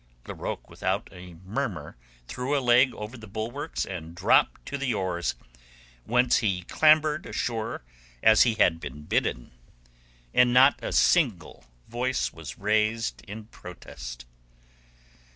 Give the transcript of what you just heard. Larocque without a murmur threw a leg over the bulwarks and dropped to the oars, whence he clambered ashore as he had been bidden. And not a single voice was raised in protest.